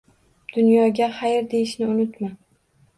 Dunyoga «Xayr!» deyishni unutma